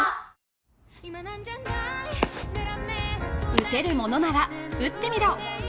打てるものなら打ってみろ！